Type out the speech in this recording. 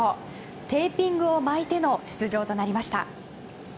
テーピングを巻いての出場となりました。